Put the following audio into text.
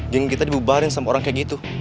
jangan kita dibubarin sama orang kayak gitu